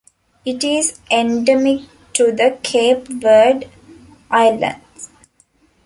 It is endemic to the Cape Verde Islands.